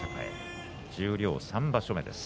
十両、３場所目です。